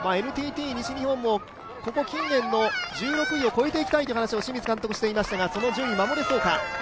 ＮＴＴ西日本もここ近年の１６位を超えていきたいという話を清水監督はしていましたが、その順位は守れそうか。